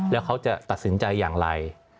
แล้วเขาจะตัดสินใจอย่างไร